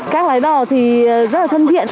các lái đò thì rất là thân thiện